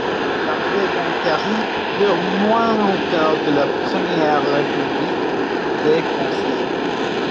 La plaisanterie dure moins encore que la Première République des conseils.